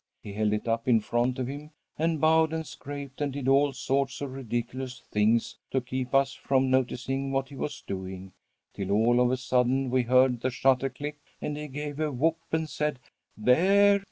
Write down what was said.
He held it up in front of him, and bowed and scraped and did all sorts of ridiculous things to keep us from noticing what he was doing, till all of a sudden we heard the shutter click and he gave a whoop and said, 'There!